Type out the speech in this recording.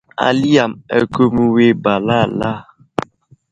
Ali yam akumiyo ba lala.